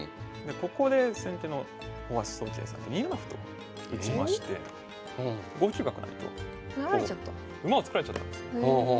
ここで先手の大橋宗桂さん２七歩と打ちまして５九角成と馬を作られちゃったんです。